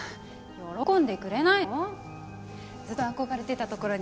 喜んでくれないの？